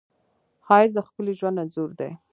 ښایست د ښکلي ژوند انځور دی